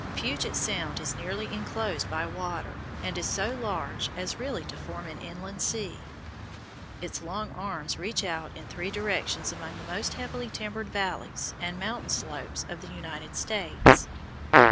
Puget Sound is nearly enclosed by water and is so large as really to form an inland sea. Its long arms reach out in three directions among the most heavily timbered valleys and mountain slopes of the United States.